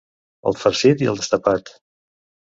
El farcit i el destapat.